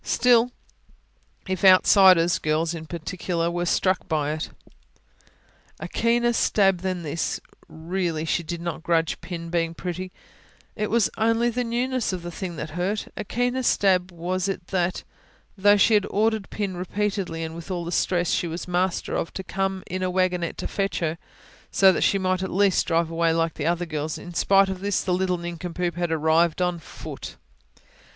Still, if outsiders, girls in particular, were struck by it ... A keener stab than this really, she did not grudge Pin being pretty: it was only the newness of the thing that hurt a keener stab was it that, though she had ordered Pin repeatedly, and with all the stress she was master of, to come in a wagonette to fetch her, so that she might at least drive away like the other girls; in spite of this, the little nincompoop had after all arrived on foot.